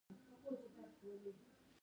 حکومت کولای شي چې د خلکو شتمنۍ غصب کړي.